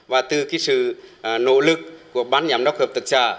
và từ cái sự nỗ lực của bán giám đốc hợp thực xã